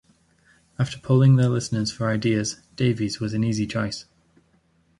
After polling their listeners for ideas, Davis was an easy choice.